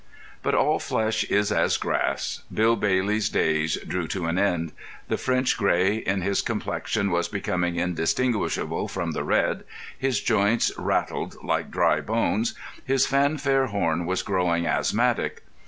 But all flesh is as grass. Bill Bailey's days drew to an end. The French grey in his complexion was becoming indistinguishable from the red; his joints rattled like dry bones; his fanfare horn was growing asthmatic.